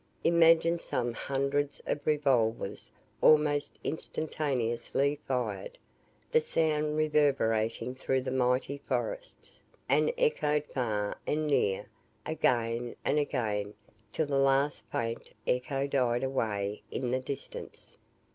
Imagine some hundreds of revolvers almost instantaneously fired the sound reverberating through the mighty forests, and echoed far and near again and again till the last faint echo died away in the distance.